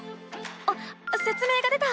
あっせつ明が出た！